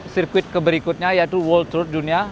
sirkuit keberikutnya yaitu world road dunia